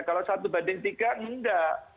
kalau satu banding tiga enggak